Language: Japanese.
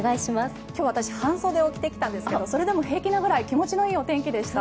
今日、私半袖を着てきたんですけどそれでも平気なぐらい気持ちのいいお天気でした。